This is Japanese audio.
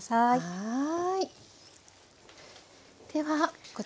はい。